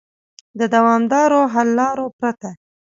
د دوامدارو حل لارو پرته